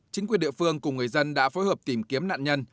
chính quyền địa phương cùng người dân đã phối hợp tìm kiếm nạn nhân